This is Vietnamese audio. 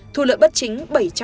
thu lượng bất chính bảy trăm hai mươi